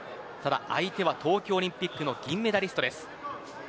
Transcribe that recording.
相手は、東京オリンピックの銀メダリストです。